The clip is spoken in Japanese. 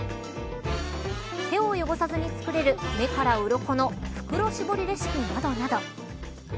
手を汚さずに作れる目からうろこの袋しぼりレシピなど。